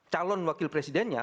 calon wakil presidennya